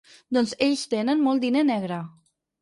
Doncs ells tenen molt diner negre.